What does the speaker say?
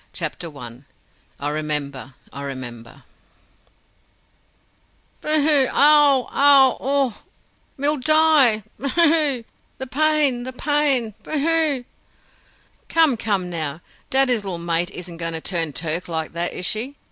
CHAPTER ONE I Remember, I Remember "Boo, hoo! Ow, ow; Oh! oh! Me'll die. Boo, hoo. The pain, the pain! Boo, hoo!" "Come, come, now. Daddy's little mate isn't going to turn Turk like that, is she?